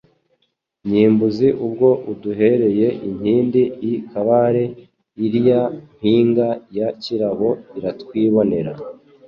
Nyimbuzi ubwo aduhereye inkindi i Kabare, ilya mpinga ya Kirabo iratwibonera,